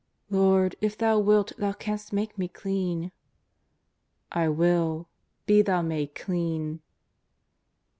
" Lord, if Thou wilt Thou canst make me clean." '' I will ; be thou made clean."